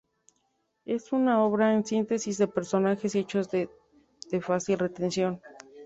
Es una obra en síntesis de personajes y hechos de fácil retención.